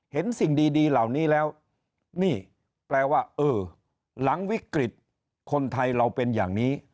เห็นสิ่งดีเหล่านี้แล้วนี่แปลว่าเออหลังวิกฤตคนไทยเราเป็นอย่างนี้